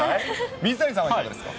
水谷さんはいかがですか。